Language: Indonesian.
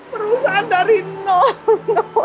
perusahaan dari noh